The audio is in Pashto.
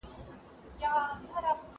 هغه مخکې چمتو سوی و.